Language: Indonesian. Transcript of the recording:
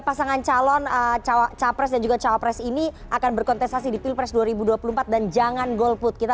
pasangan calon capres dan juga cawapres ini akan berkontestasi di pilpres dua ribu dua puluh empat dan jangan golput kita